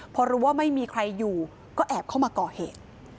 พอรู้ว่าไม่มีใครอยู่ก็แอบเข้ามาก่อเหตุ